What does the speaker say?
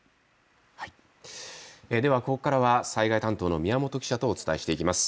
ではここからは災害担当の宮本記者とお伝えしていきます。